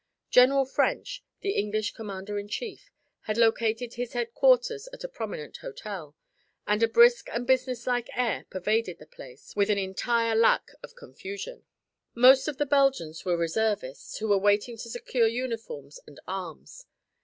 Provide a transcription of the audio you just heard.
General French, the English commander in chief, had located his headquarters at a prominent hotel, and a brisk and businesslike air pervaded the place, with an entire lack of confusion. Most of the Belgians were reservists who were waiting to secure uniforms and arms.